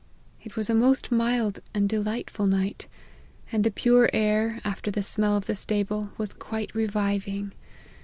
It was a most mild and delightful night, and the pure air, after the smell of the stable, was quite reviving.